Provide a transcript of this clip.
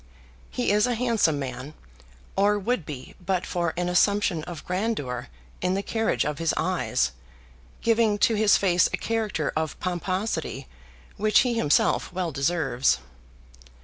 He is a handsome man, or would be but for an assumption of grandeur in the carriage of his eyes, giving to his face a character of pomposity which he himself well deserves.